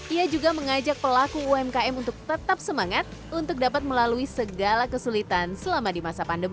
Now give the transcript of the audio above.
ia juga mengajak pelaku umkm untuk tetap semangat untuk dapat melalui segala kesulitan selama di masa pandemi